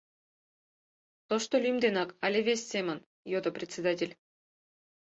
Тошто лӱм денак але вес семын? — йодо председатель.